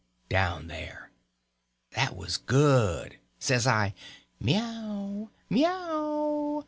_" down there. That was good! Says I, "_me yow! me yow!